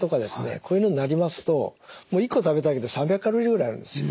こういうのになりますと１個食べただけで３００ｋｃａｌぐらいあるんですよ。